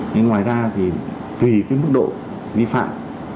nên ngoài ra thì tùy mức độ vi phạm